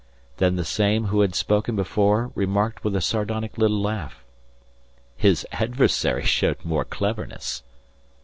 Then the same who had spoken before remarked with a sardonic little laugh: "His adversary showed more cleverness."